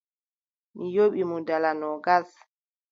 Mi yoɓi mo dala noogas.